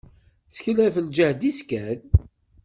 Tettkel ɣef lǧehd-is kan.